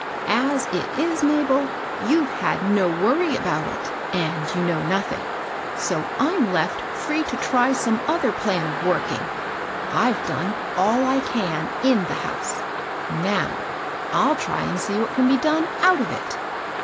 " As it is, Mabel, you've had no worry about it, and you know nothing ; so I'm left free to try some other plan of working. I've done all I can in the house ; now I'll try and see what can be done out of it.